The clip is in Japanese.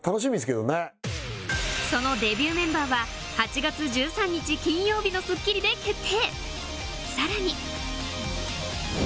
そのデビューメンバーは８月１３日金曜日の『スッキリ』で決定